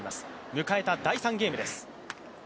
迎えた第３ゲームです。